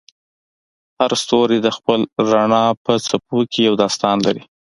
هر ستوری د خپل رڼا په څپو کې یو داستان لري.